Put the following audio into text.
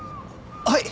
はい！